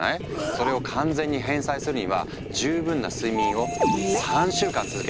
それを完全に返済するには十分な睡眠を３週間続ける必要があるんだ。